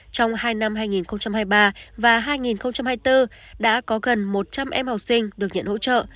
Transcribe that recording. trong hai năm hai nghìn hai mươi ba và hai nghìn hai mươi bốn đã có gần một trăm linh em học sinh được nhận hỗ trợ